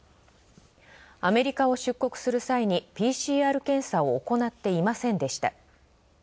アメリカを出国する際にＰＣＲ検査を行っていませんでした。